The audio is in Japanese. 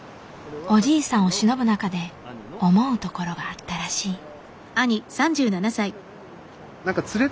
おじいさんをしのぶ中で思うところがあったらしい。